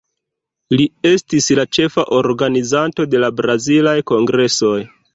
Li estis la ĉefa organizanto de la Brazilaj Kongresoj.